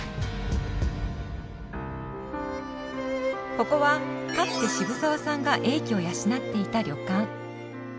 ここはかつて渋沢さんが英気を養っていた旅館。